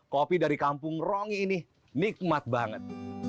kopi dari kampung rongi ini nikmat banget